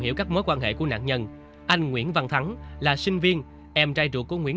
hiểu các mối quan hệ của nạn nhân anh nguyễn văn thắng là sinh viên em trai trụ của nguyễn